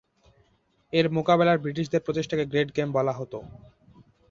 এর মোকাবেলায় ব্রিটিশদের প্রচেষ্টাকে গ্রেট গেম বলা হত।